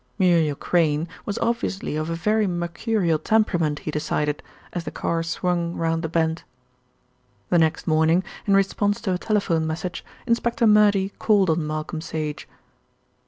Muriel Crayne was obviously of a very mercurial temperament, he decided, as the car swung round the bend. The next morning, in response to a telephone message, Inspector Murdy called on Malcolm Sage.